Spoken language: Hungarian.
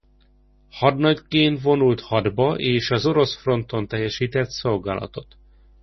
Hadnagyként vonult hadba és az orosz fronton teljesített szolgálatot.